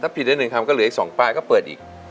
ผิดได้๑คำก็เหลืออีก๒ป้ายก็เปิดอีก